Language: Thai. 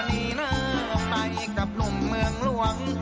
หนีนอกไปกับลุงเมืองหลวง